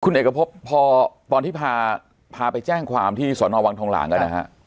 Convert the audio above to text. คุณเอกพบพอตอนที่พาไปแจ้งความที่สอนอวังทองหลางกันนะฮะ